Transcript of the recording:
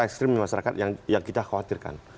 ekstrim masyarakat yang kita khawatirkan